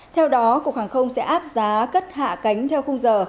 theo đó cục hàng không sẽ áp giá cất hạ cánh theo khung giờ